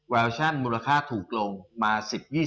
เวลาชันมูลค่าถูกลงมา๑๐๒๐